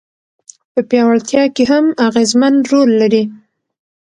په پياوړتيا کي هم اغېزمن رول لري.